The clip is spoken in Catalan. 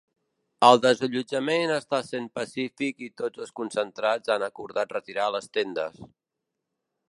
El desallotjament està essent pacífic i tots els concentrats han acordat retirar les tendes.